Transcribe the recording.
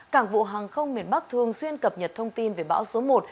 cảng vụ hàng không miền bắc thường xuyên cập nhật thông tin về bão số một